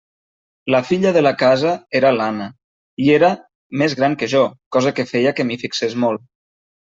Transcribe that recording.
La filla de la casa era l'Anna, i era més gran que jo, cosa que feia que m'hi fixés molt.